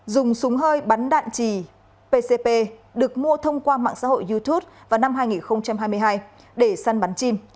dùng súng hơi bắn đạn trì pcp được mua thông qua mạng xã hội youtube vào năm hai nghìn hai mươi hai để săn bắn chim